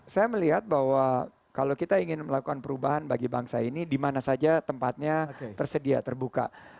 saya melihat bahwa kalau kita ingin melakukan perubahan bagi bangsa ini dimana saja tempatnya tersedia terbuka